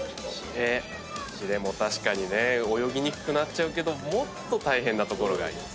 ひれも確かにね泳ぎにくくなっちゃうけどもっと大変な所があります。